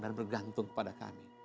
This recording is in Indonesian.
dan bergantung kepada kami